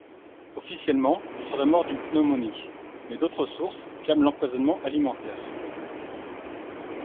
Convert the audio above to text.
Officiellement il serait mort d'une pneumonie, mais d'autres sources clament l'empoisonnement alimentaire.